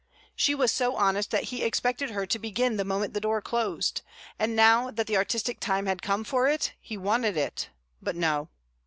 She was so honest that he expected her to begin the moment the door closed, and now that the artistic time had come for it, he wanted it; but no.